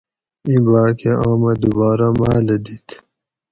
ایں باکہ آمہ دوبارہ ماۤلہ دِت